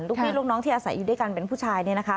ลูกมีลูกน้องที่อาศัยอยู่ด้วยกันเป็นผู้ชายเนี่ยนะคะ